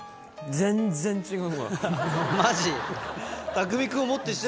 全然違う。